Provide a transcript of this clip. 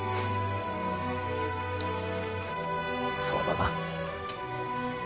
そうだな。